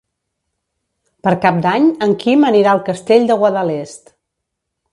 Per Cap d'Any en Quim anirà al Castell de Guadalest.